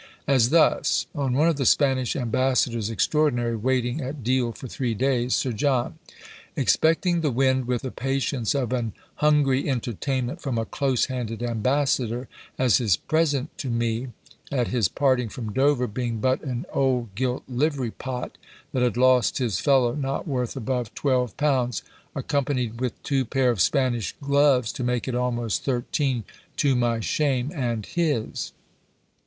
As thus, on one of the Spanish ambassadors extraordinary waiting at Deal for three days, Sir John, "expecting the wind with the patience of an hungry entertainment from a close handed ambassador, as his present to me at his parting from Dover being but an old gilt livery pot, that had lost his fellow, not worth above twelve pounds, accompanied with two pair of Spanish gloves to make it almost thirteen, to my shame and his."